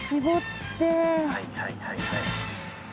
はいはいはいはい。